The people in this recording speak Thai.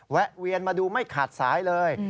แวนมาดูไม่ขาดสายเลย